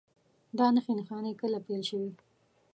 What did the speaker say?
دا نښې نښانې کله پیل شوي؟